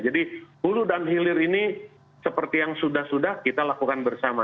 jadi hulu dan hilir ini seperti yang sudah sudah kita lakukan bersama